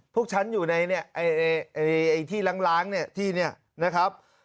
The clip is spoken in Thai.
พวกฉันอยู่ในที่ล้างเนี่ยที่นี่นะครับ